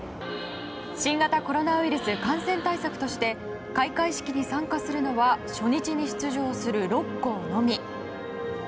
新型コロナウイルス感染対策として開会式に参加するのは初日に出場する６校のみ。